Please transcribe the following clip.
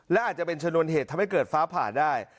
และอาจจะเป็นชนวนเหตุทำให้เกิดฟ้าผ่าได้